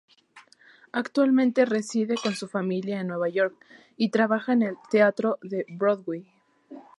Actualmente reside con su familia en Nueva York y trabaja en el teatro Broadway.